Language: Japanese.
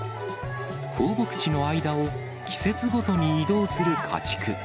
放牧地の間を季節ごとに移動する家畜。